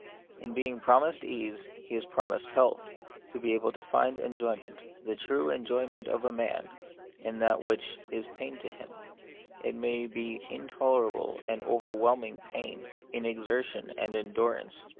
In being promised ease, he is promised health ; that is, to be able to find enjoyment, the true enjoyment of a man, in that which is pain to him, it may be intolerable and over whelming pain ; in exertion and endurance.